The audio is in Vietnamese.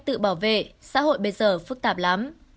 tự bảo vệ xã hội bây giờ phức tạp lắm